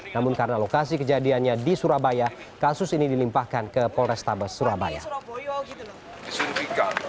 namun karena lokasi kejadiannya di surabaya kasus ini dilimpahkan ke polrestabes surabaya